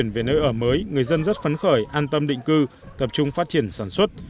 về nơi ở mới người dân rất phấn khởi an tâm định cư tập trung phát triển sản xuất